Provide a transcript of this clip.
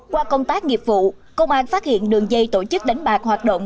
qua công tác nghiệp vụ công an phát hiện đường dây tổ chức đánh bạc hoạt động